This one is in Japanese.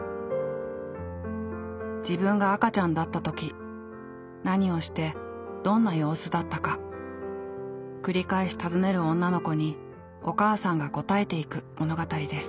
自分が赤ちゃんだった時何をしてどんな様子だったか繰り返し尋ねる女の子にお母さんが答えていく物語です。